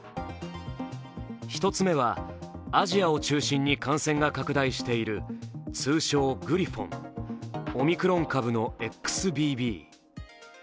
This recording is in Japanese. １つ目は、アジアを中心に感染が拡大している通称グリフォン＝オミクロン株のＸＢＢ。